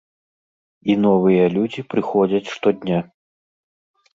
І новыя людзі прыходзяць штодня.